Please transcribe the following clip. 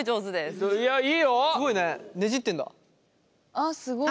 あっすごい。